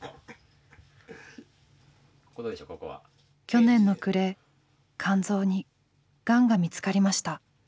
去年の暮れ肝臓にがんが見つかりました。